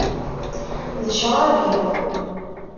D ccrab-iw.